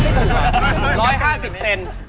ก็ต้อง๑๒๐เซน